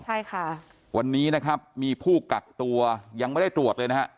ใช่ค่ะวันนี้นะครับมีผู้กักตัวยังไม่ได้ตรวจเลยนะฮะ